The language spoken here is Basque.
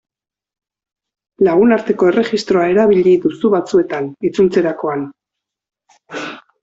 Lagunarteko erregistroa erabili duzu batzuetan, itzultzerakoan.